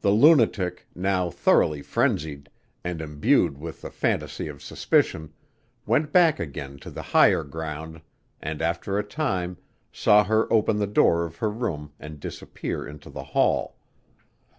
The lunatic, now thoroughly frenzied, and imbued with the phantasy of suspicion, went back again to the higher ground and, after a time, saw her open the door of her room and disappear into the hall.